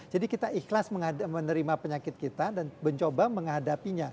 jadi kita ikhlas menerima penyakit kita dan mencoba menghadapinya